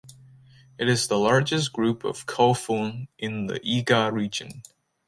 It is the largest group of "kofun" in the Iga region.